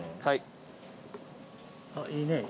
はい。